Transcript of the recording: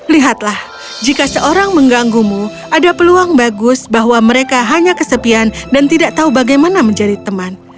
lihatlah jika seorang mengganggumu ada peluang bagus bahwa mereka hanya kesepian dan tidak tahu bagaimana menjadi teman